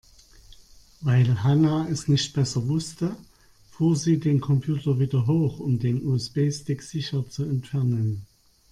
Weil Hanna es nicht besser wusste, fuhr sie den Computer wieder hoch, um den USB-Stick sicher zu entfernen.